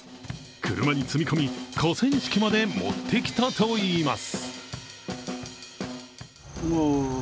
車に積み込み、河川敷まで持ってきたといいます。